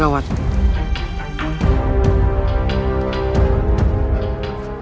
mas dua puluh asib